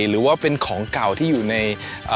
หรือว่าเป็นของเก่าที่อยู่ใน